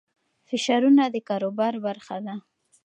فشارونه د کاروبار برخه ده.